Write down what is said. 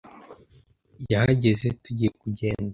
Yahageze tugiye kugenda.